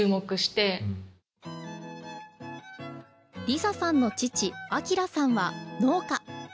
梨紗さんの父旭さんは農家。